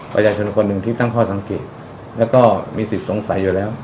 ประชาชนคนหนึ่งที่ตั้งข้อสังเกตแล้วก็มีสิทธิ์สงสัยอยู่แล้ว